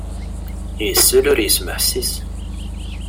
Isell ur yesmeḥsis!